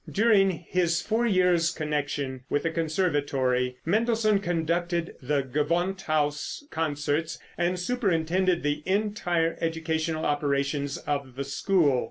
During his four years' connection with the conservatory Mendelssohn conducted the Gewandhaus concerts and superintended the entire educational operations of the school.